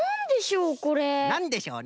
なんでしょう？